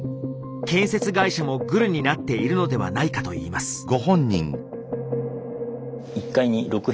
建設会社もグルになっているのではないかと言います。